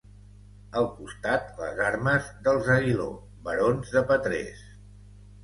Al costat, les armes dels Aguiló, barons de Petrés.